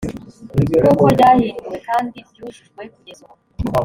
nk uko ryahinduwe kandi ryujujwe kugeza ubu